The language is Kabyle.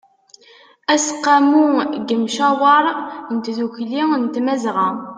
aseqqamu n ymcawer n tdukli n tmazɣa